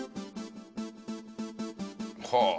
はあ。